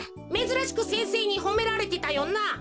めずらしく先生にほめられてたよな。